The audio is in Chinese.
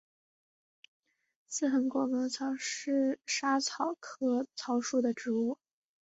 似横果薹草是莎草科薹草属的植物。